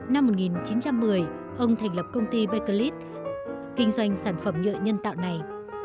năm một nghìn chín trăm một mươi ông thành lập công ty beclet kinh doanh sản phẩm nhựa nhân tạo này